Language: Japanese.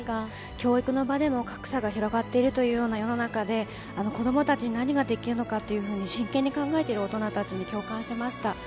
教育の場でも格差が広がっているというような世の中で、子どもたちに何ができるのかっていうのを真剣に考えている大人たちに共感しました。